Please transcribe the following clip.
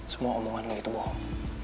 semua omongan lo itu bohong